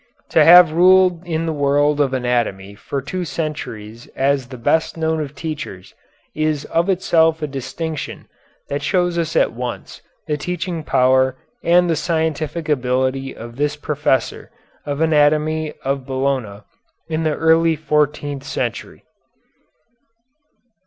To have ruled in the world of anatomy for two centuries as the best known of teachers is of itself a distinction that shows us at once the teaching power and the scientific ability of this professor of anatomy of Bologna in the early fourteenth century.